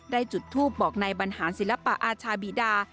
จุดทูปบอกนายบรรหารศิลปะอาชาบีดา